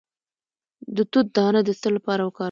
د توت دانه د څه لپاره وکاروم؟